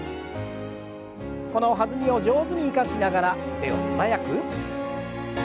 この弾みを上手に生かしながら腕を素早く。